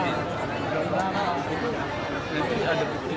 jadi ada kepentingannya